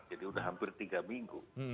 jadi sudah hampir tiga minggu